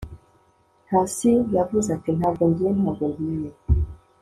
hasi. yavuze ati ntabwo ngiye. ntabwo ngiye